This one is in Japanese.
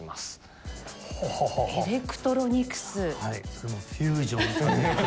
それもフュージョンさせて。